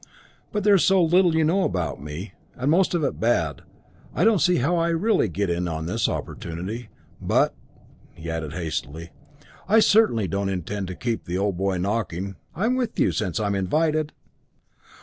But there is so little you know about me and most of it bad I don't see how I really get in on this opportunity but," he added hastily, "I certainly don't intend to keep the old boy knocking I'm with you, since I'm invited!"